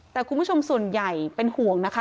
แต่คุณผู้ชมส่วนใหญ่เป็นห่วงนะคะ